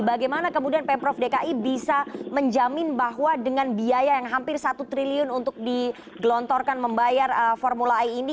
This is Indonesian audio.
bagaimana kemudian pemprov dki bisa menjamin bahwa dengan biaya yang hampir satu triliun untuk digelontorkan membayar formula e ini